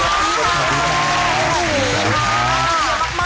สวัสดีค่ะ